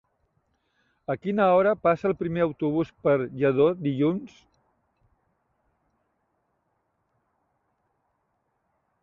A quina hora passa el primer autobús per Lladó dilluns?